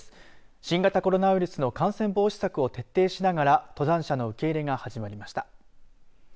新型コロナウイルスの感染防止策を徹底しながら登山者の受け入れが始まりました。